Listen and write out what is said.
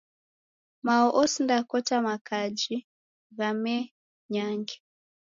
Mao osinda kota makaji gha me-nyange.